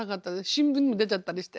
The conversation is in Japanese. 新聞にも出ちゃったりして。